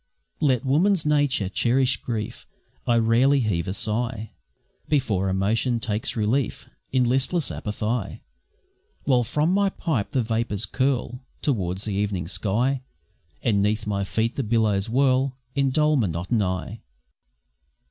Let woman's nature cherish grief, I rarely heave a sigh Before emotion takes relief In listless apathy; While from my pipe the vapours curl Towards the evening sky, And 'neath my feet the billows whirl In dull monotony!